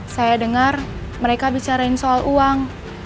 saya dengar mereka bicarain soal uang